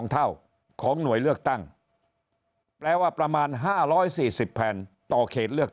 เท่าของหน่วยเลือกตั้งแปลว่าประมาณ๕๔๐แผ่นต่อเขตเลือก